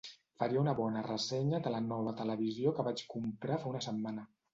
Faria una bona ressenya de la nova televisió que vaig comprar fa una setmana.